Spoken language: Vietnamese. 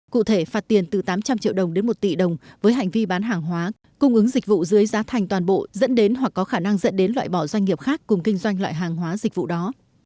cụ thể phạt tiền từ tám trăm linh triệu đồng đến một tỷ đồng với hành vi bán hàng hóa cung ứng dịch vụ dưới giá thành toàn bộ dẫn đến hoặc có khả năng dẫn đến loại bỏ doanh nghiệp khác cùng kinh doanh loại hàng hóa dịch vụ đó